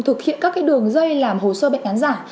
thực hiện các đường dây làm hồ sơ bệnh án giả